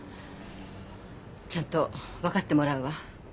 ちゃんと分かってもらうわ。